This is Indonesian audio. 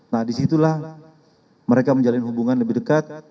nah disitulah mereka menjalin hubungan lebih dekat